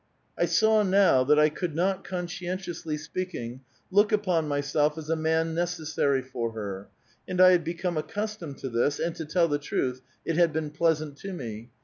I saw now that I could not, conscientionsly speaking, look upon m^^self as a man necessary for her, and I had become accustomed to this, and to tell the truth, it had been pleasant to me.